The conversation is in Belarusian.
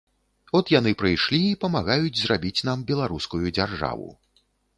От яны прыйшлі і памагаюць зрабіць нам беларускую дзяржаву.